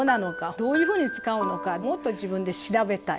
どういうふうに使うのかもっと自分で調べたい。